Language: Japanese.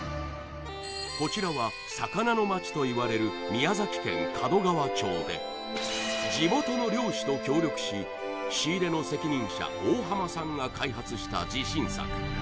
こちらは魚の町といわれる宮崎県門川町で地元の漁師と協力し仕入れの責任者大濱さんが開発した自信作